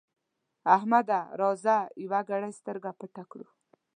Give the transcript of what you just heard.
احمده! راځه يوه ګړۍ سترګه پټه کړو.